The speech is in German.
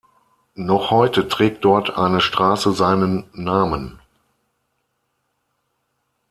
Noch heute trägt dort eine Straße seinen Namen.